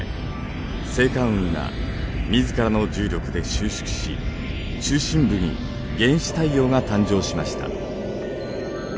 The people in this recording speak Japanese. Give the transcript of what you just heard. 星間雲が自らの重力で収縮し中心部に原始太陽が誕生しました。